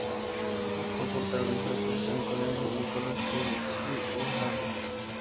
Fue protagonizada por Sean Connery, Nicolas Cage y Ed Harris.